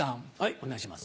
お願いします。